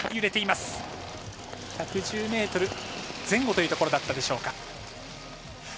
１１０ｍ前後というところだったでしょうか。